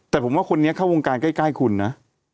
แต่ผมว่าคนนี้เข้าวงการใกล้คุณนะ